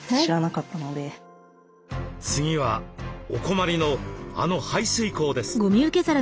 次はお困りのあの排水口です。